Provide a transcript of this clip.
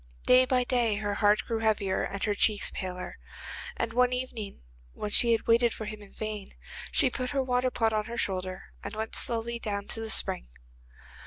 Day by day her heart grew heavier and her cheeks paler, and one evening, when she had waited for him in vain, she put her water pot on her shoulder and went slowly down to the spring.